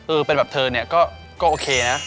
เป็นแบบเธอเนี่ยก็โอเคนะ